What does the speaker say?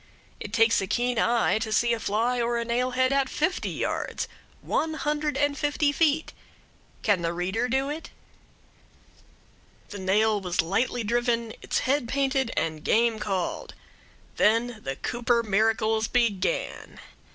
It takes a keen eye to see a fly or a nailhead at fifty yards one hundred and fifty feet. Can the reader do it? The nail was lightly driven, its head painted, and game called. Then the Cooper miracles began.